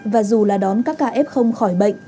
và dù là đón các ca f khỏi bệnh